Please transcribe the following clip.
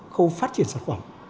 khâu phát triển sản phẩm